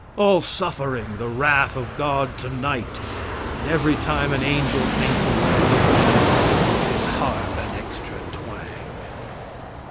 All suffering the wrath of God tonight, and every time an angel thinks of one of those men he gives his harp an extra twang.